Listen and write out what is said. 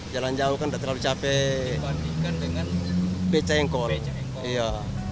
jalan jauh kan udah terlalu capek dibandingkan dengan becak yang kual